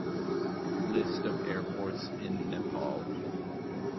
List of airports in Nepal